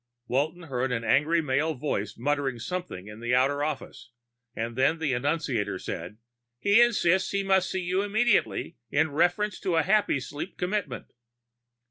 Walton heard an angry male voice muttering something in the outer office, and then the annunciator said, "He insists he must see you immediately in reference to a Happysleep commitment."